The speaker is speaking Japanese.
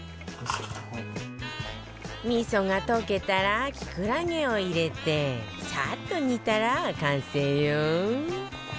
味噌が溶けたらキクラゲを入れてサッと煮たら完成よ